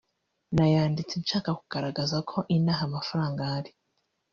”nayanditse nshaka kugaragaza ko inaha amafaranga ahari